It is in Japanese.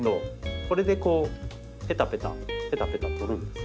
これでこうペタペタペタペタ取るんです。